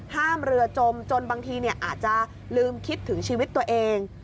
ห้ามเรือจมจนบางทีอาจจะลืมคิดถึงชีวิตตัวเอง